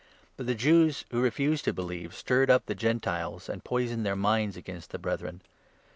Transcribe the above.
But the 2 Jews who refused to believe stirred up the Gentiles, and poisoned their minds against the Brethren.